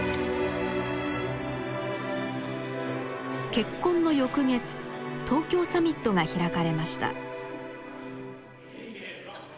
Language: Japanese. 結婚の翌月東京サミットが開かれました。